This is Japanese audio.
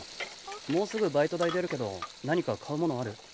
もうすぐバイト代出るけど何か買うものある？